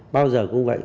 bao giờ cũng vậy